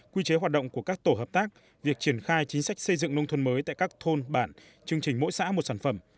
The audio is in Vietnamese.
quy chế hoạt động của các tổ hợp tác việc triển khai chính sách xây dựng nông thôn mới tại các thôn bản chương trình mỗi xã một sản phẩm